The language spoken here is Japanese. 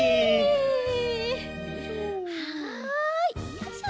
よいしょ。